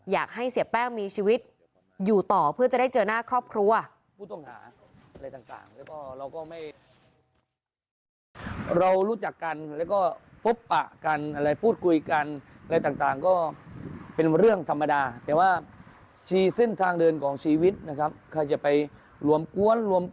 อยากให้เสียแป้งมีชีวิตอยู่ต่อเพื่อจะได้เจอหน้าครอบครัว